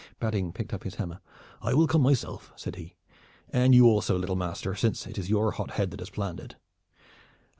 Badding picked up his hammer. "I will come myself," said he, "and you also, little master, since it is your hot head that has planned it.